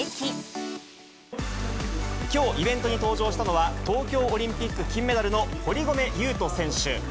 きょう、イベントに登場したのは、東京オリンピック金メダルの堀米雄斗選手。